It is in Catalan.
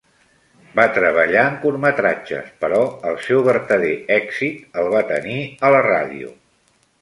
Va treballar en curtmetratges, però el seu vertader èxit el va tenir a la ràdio.